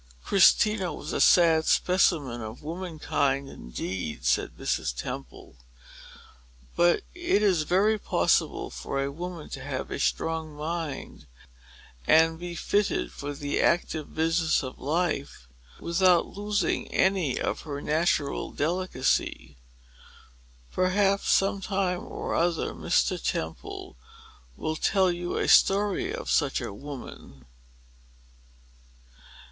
"Christina was a sad specimen of womankind, indeed," said Mrs. Temple. "But it is very possible for a woman to have a strong mind, and to be fitted for the active business of life, without losing any of her natural delicacy. Perhaps, some time or other, Mr. Temple will tell you a story of such a woman."